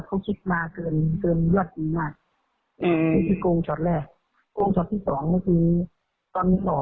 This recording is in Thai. เขาชุดมาเกินเกินเลือดดีมากที่โกงช็อตแรก